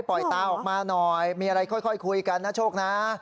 ตาออกมาหน่อยมีอะไรค่อยคุยกันนะโชคนะ